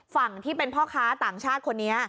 ฝั่งที่เป็นพ่อค้าต่างชาติคนนี้